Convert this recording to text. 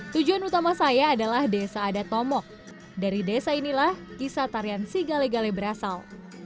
tujuan utama saya adalah desa adat tomok dari desa inilah kisah tarian sigale gale berasal